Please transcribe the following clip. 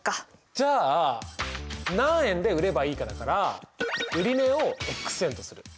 じゃあ何円で売ればいいかだから売値を円とする！